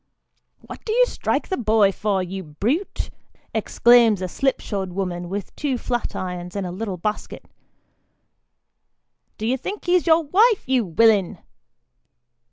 " What do you strike the boy for, you brute ?" exclaims a slipshod woman, with two flat irons in a little basket. "Do you think he's your wife, you willin